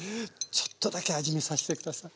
ちょっとだけ味見させて下さい。